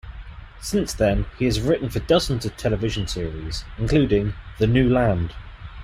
Since then, he has written for dozens of television series, including "The New Land".